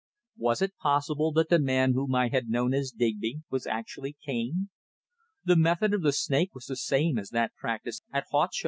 Was it possible that the man whom I had known as Digby was actually Cane? The method of the snake was the same as that practised at Huacho!